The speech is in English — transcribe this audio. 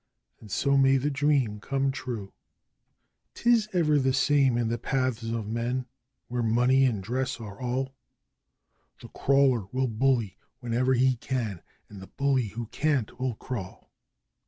And so may the dream come true. ''Tis ever the same in the paths of men where money and dress are all, The crawler will bully whene'er he can, and the bully who can't will crawl.